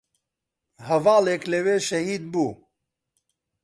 هەڤاڵێک لەوێ شەهید بوو